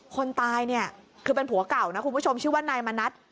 คนตายเนี่ยคือเป็นผัวเก่านะคุณผู้ชมชื่อว่านายมณัฐ